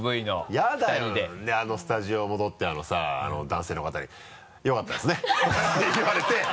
嫌だよであのスタジオ戻ってさ男性の方に「よかったですね」とか言われて